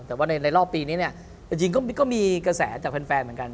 แต่ว่าในรอบปีนี้เนี่ยจริงก็มีกระแสจากแฟนเหมือนกัน